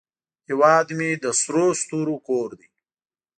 هیواد مې د سرو ستورو کور دی